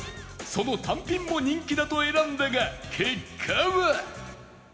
その単品も人気だと選んだが結果は